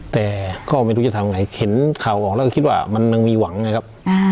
แต่ก็ไม่รู้จะทำไงเห็นข่าวออกแล้วก็คิดว่ามันยังมีหวังไงครับ